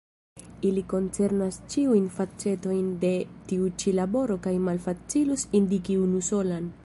Ili koncernas ĉiujn facetojn de tiu ĉi laboro kaj malfacilus indiki unusolan.